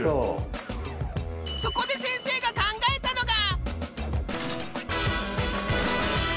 そこで先生が考えたのが！